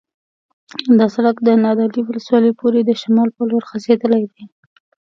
دا سرک د نادعلي ولسوالۍ پورې د شمال په لور غځېدلی دی